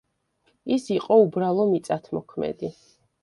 ის იყო უბრალო მიწათმოქმედი.